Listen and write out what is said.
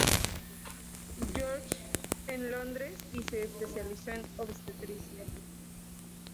George en Londres y se especializó en obstetricia.